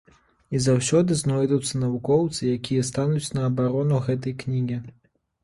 І заўсёды знойдуцца навукоўцы, якія стануць на абарону гэтай кнігі.